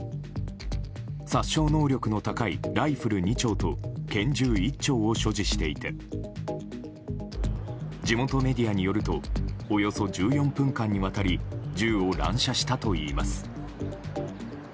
殺傷能力の高いライフル２丁と拳銃１丁を所持していて地元メディアによるとおよそ１４分間にわたり銃を乱射したといいます。